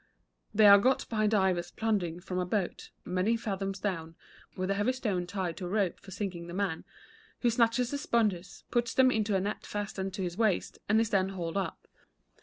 They are got by divers plunging from a boat, many fathoms down, with a heavy stone tied to a rope for sinking the man, who snatches the sponges, puts them into a net fastened to his waist, and is then hauled up.